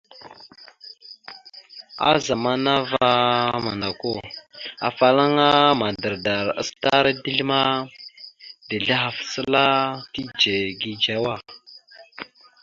A zamana ava mandako, afalaŋa madardar acətara dezl ma, dezl ahaf səla tidze gidzewa.